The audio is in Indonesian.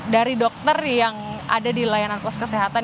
dari dokter yang ada di layanan pos kesehatan